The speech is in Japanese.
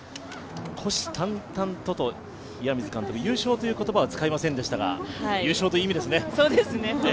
「虎視たんたんと」と岩水監督優勝という言葉は使いませんでしたが、優勝という意味ですね。